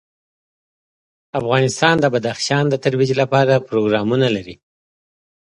افغانستان د بدخشان د ترویج لپاره پروګرامونه لري.